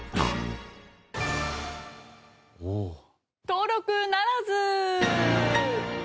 登録ならず！